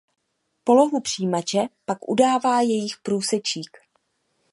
Polohu přijímače pak udává jejich průsečík.